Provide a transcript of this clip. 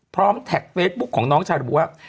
แท็กเฟซบุ๊คของน้องชายระบุว่า